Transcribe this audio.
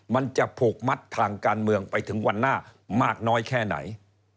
มันจะผูกมัดทางการเมืองไปถึงวันหน้ามากน้อยแค่ไหน